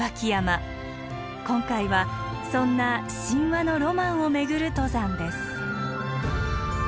今回はそんな神話のロマンを巡る登山です。